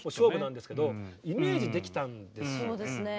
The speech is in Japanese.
そうですね。